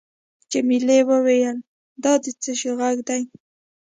جميلې وويل:: دا د څه شي ږغ دی؟